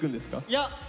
いや！